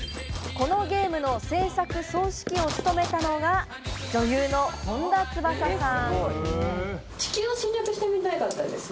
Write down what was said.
このゲームの制作総指揮を務めたのが女優の本田翼さん。